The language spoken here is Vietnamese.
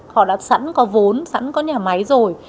họ đã sẵn có vốn sẵn có nhà máy rồi